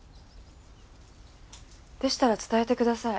でしたら伝えてください。